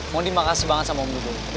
mohon diberi makasih banget sama om dudung